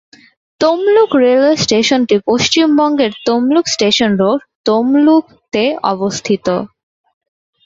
Tamluk railway স্টেশনটি পশ্চিমবঙ্গের Tamluk station road, Tamluk তে অবস্থিত।